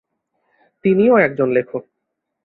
তিনিও একজন লেখক।